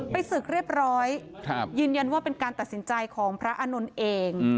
ศึกเรียบร้อยยืนยันว่าเป็นการตัดสินใจของพระอานนท์เอง